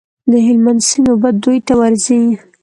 د هلمند سیند اوبه دوی ته ورځي.